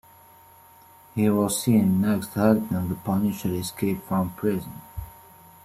He was seen next helping the Punisher escape from prison.